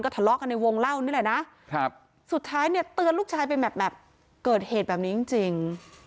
เตือนลูกชายเป็นแบบเกิดเหตุแบบนี้จริง